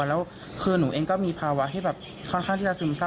แล้วคือหนูเองก็มีภาวะที่แบบค่อนข้างที่จะซึมเศร้า